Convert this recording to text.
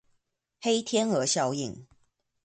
黑天鵝效應